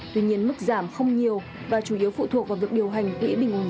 tuy nhiên mức giảm không nhiều và chủ yếu phụ thuộc vào vực điều hành